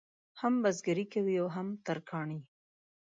هم بزګري کوي او هم ترکاڼي.